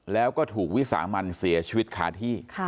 แล้วก็ถูกวิสามันเสียชีวิตคาที่